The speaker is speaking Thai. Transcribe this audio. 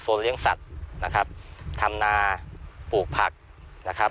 เลี้ยงสัตว์นะครับทำนาปลูกผักนะครับ